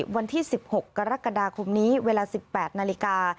วันที่๑๖กรกฎาคมนี้เวลา๑๘นาฬิกา